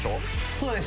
そうです